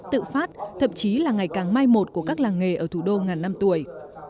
tự phát thậm chí là ngày càng mai một của các làng nghề ở thủ đô ngàn năm tuổi